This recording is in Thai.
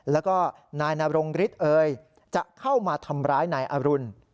แล้วก็นายนรงฤทธิ์เอ่ยจะเข้ามาทำร้ายนายอรุณ